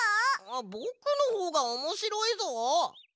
ぼくのほうがおもしろいぞ！